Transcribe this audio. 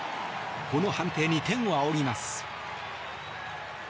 この判定に天を仰ぎます。